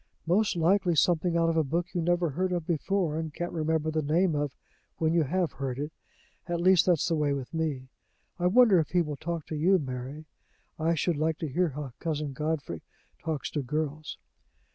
"Most likely something out of a book you never heard of before, and can't remember the name of when you have heard it at least that's the way with me. I wonder if he will talk to you, Mary? I should like to hear how Cousin Godfrey talks to girls."